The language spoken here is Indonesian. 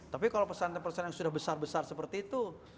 tapi kalau pesantren pesantren yang sudah besar besar seperti itu